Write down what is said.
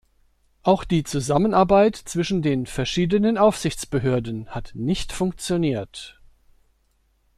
Auch die Zusammenarbeit zwischen den verschiedenen Aufsichtsbehörden hat nicht funktioniert.